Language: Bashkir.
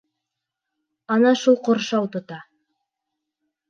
Ана шул ҡоршау тота.